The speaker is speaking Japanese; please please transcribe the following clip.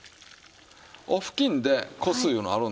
お布巾でこすいうのあるんですわ。